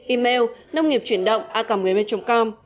email nông nghiệpchuyenđộngacom com